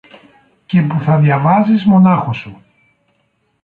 και που θα διαβάζεις μονάχος σου.